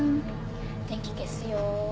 電気消すよ。